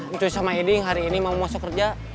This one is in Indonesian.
katanya ncuy sama ibing hari ini mau masuk kerja